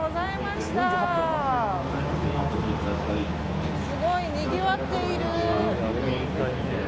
すごい、にぎわっている。